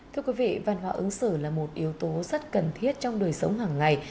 thưa quý vị văn hóa ứng xử là một yếu tố rất cần thiết trong đời sống hàng ngày